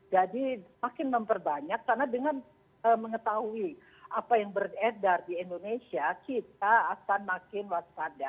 jadi makin memperbanyak karena dengan mengetahui apa yang beredar di indonesia kita akan makin waspada